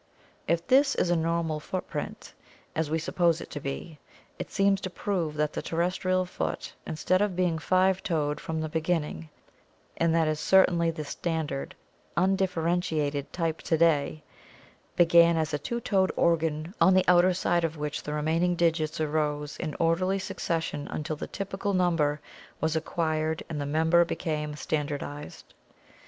If this is a normal footprint, as we may suppose it to be, it seems to prove that the terrestrial foot instead of being five toed from the beginning — and that is certainly the standard undifferentiated type to day — began as a two toed organ on the outer side of which the remaining digits arose in orderly succession until the typical number was acquired and the member became standardized.